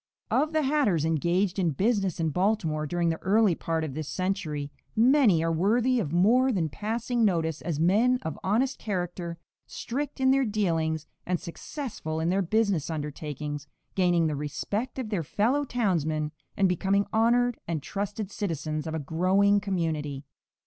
No. 6. Of the hatters engaged in business in Baltimore during the early part of this century, many are worthy of more than passing notice as men of honest character, strict in their dealings and successful in their business undertakings, gaining the respect of their fellow townsmen and becoming honored and trusted citizens of a growing community.